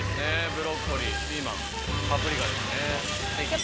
ブロッコリーピーマンパプリカですね。